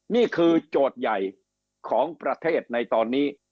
โจทย์ใหญ่ของประเทศในตอนนี้